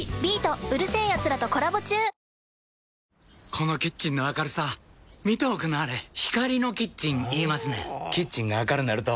このキッチンの明るさ見ておくんなはれ光のキッチン言いますねんほぉキッチンが明るなると・・・